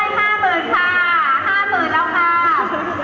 ๕๐๐๐๐แล้วคะ